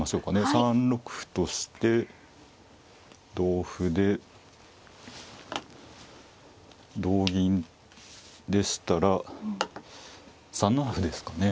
３六歩として同歩で同銀でしたら３七歩ですかね。